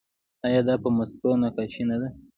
آیا دا په مسو نقاشي نه ده؟